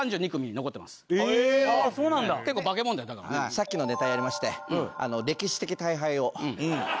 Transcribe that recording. さっきのネタやりまして歴史的大敗を。